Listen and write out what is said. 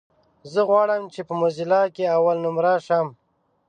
زه غواړم چې په موزيلا کې اولنومره شم.